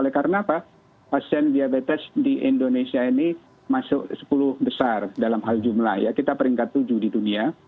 oleh karena apa pasien diabetes di indonesia ini masuk sepuluh besar dalam hal jumlah ya kita peringkat tujuh di dunia